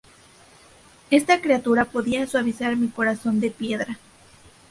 Esta criatura podía suavizar mi corazón de piedra.